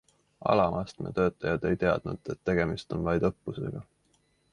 Alamastme töötajad ei teadnud, et tegemist on vaid õppusega.